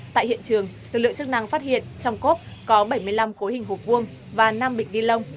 tại hiện trường lực lượng chức năng phát hiện trong cốp có bảy mươi năm cối hình hộp vuông và năm bịch ni lông